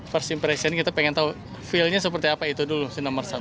first impression kita pengen tahu feelnya seperti apa itu dulu si nomor satu